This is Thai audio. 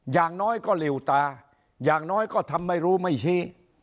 อย่างน้อยก็หลิวตาอย่างน้อยก็ทำไม่รู้ไม่ชี้